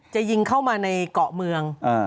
จะยิงเข้ามาในเกาะเมือง